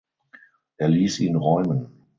Er ließ ihn räumen.